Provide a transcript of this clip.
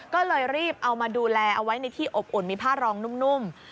ก็เลยรีบเอามาดูแลเอาไว้ในที่อบอุ่นมีผ้ารองนุ่ม